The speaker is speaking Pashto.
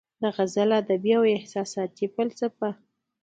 د غزل ادبي او احساساتي فلسفه